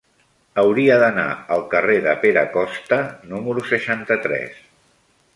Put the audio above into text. Hauria d'anar al carrer de Pere Costa número seixanta-tres.